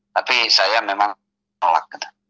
tapi saya memang melak gitu